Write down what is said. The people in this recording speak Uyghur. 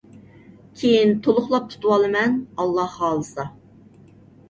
كېيىن تولۇقلاپ تۇتۇۋالىمەن ئاللاھ خالىسا!